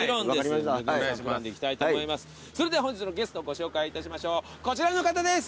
それでは本日のゲストご紹介いたしましょうこちらの方です。